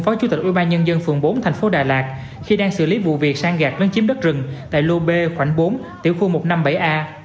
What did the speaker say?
phó chủ tịch ubnd phường bốn thành phố đà lạt khi đang xử lý vụ việc sang gạt lấn chiếm đất rừng tại lô b khoảnh bốn tiểu khu một trăm năm mươi bảy a